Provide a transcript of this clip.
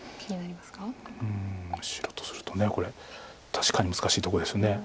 うん白とするとこれ確かに難しいとこです。